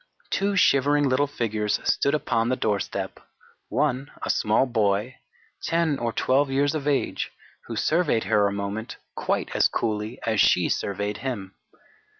Two shivering little figures stood upon the doorstep, one a small boy, 10 or 12 years of age, who surveyed her a moment quite as coolly as she surveyed him.